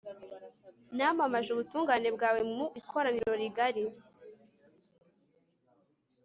namamaje ubutungane bwawe mu ikoraniro rigari